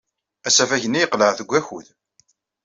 Asafag-nni yeqleɛ deg wakud.